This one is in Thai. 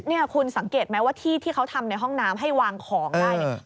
นี่คุณสังเกตไหมว่าที่ที่เขาทำในห้องน้ำให้วางของได้เนี่ย